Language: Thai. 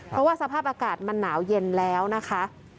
เพราะว่าสภาพอากาศมันหนาวเย็นแล้วนะคะ